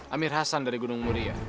amir hasan dari gunung muria